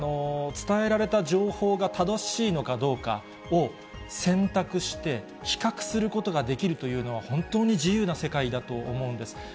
伝えられた情報が正しいのかどうかを選択して、比較することができるというのは、本当に自由な世界だと思うんです。